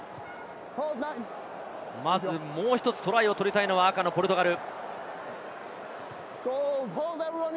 まずもう１つトライを取りたいのはポルトガル。